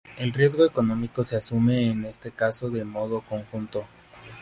El riesgo económico se asume en este caso de modo conjunto.